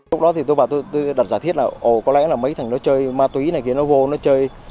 lúc đó thì tôi bảo tôi đặt giả thiết là ồ có lẽ là mấy thằng nó chơi ma túy này kia nó vô nó chơi